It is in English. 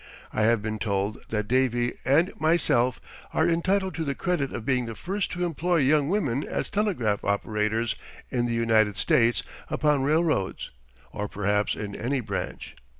I have been told that "Davy" and myself are entitled to the credit of being the first to employ young women as telegraph operators in the United States upon railroads, or perhaps in any branch.